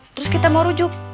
terus kita mau rujuk